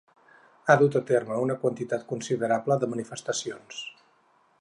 Ha dut a terme una quantitat considerable de manifestacions.